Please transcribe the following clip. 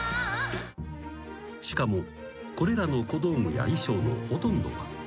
［しかもこれらの小道具や衣装のほとんどは］